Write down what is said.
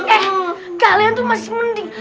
eh kalian tuh masih mending